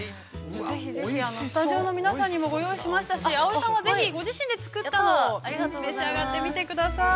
◆ぜひぜひスタジオの皆さんにも、ご用意しましたし、葵さんはぜひご自身で作ったものを召し上がってみてください。